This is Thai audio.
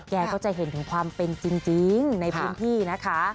แกก็จะเห็นถึงความเป็นจริงในพื้นที่นะคะ